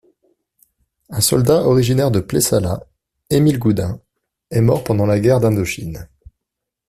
Un soldat originaire de Plessala, Émile Goudin, est mort pendant la Guerre d'Indochine.